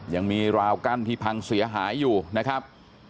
ยังมีราวกั้นที่พังเสียหายอยู่นะครับ